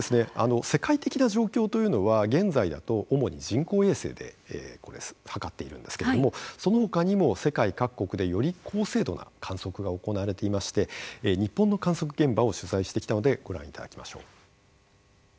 世界的な状況というのは現在だと主に人工衛星でこれ測っているんですけれどもそのほかにも世界各国でより高精度な観測が行われていまして日本の観測現場を取材してきたのでご覧いただきましょう。